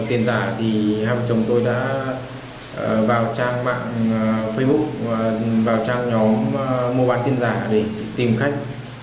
thì hai vợ chồng tôi đã vào trang mạng facebook vào trang nhóm mô bán tiền giả để tìm khách